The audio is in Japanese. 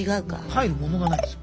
入るものがないんです。